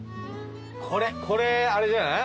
これあれじゃない？